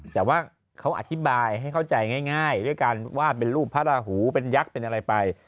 แต่ว่าเขาอธิบายให้เข้าใจง่ายด้วยการวาดเป็นรูปพระราหูเป็นยักษ์เป็นอะไรไป